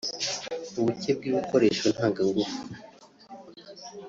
ubuke bw’ibikoresho ntanga-ngufu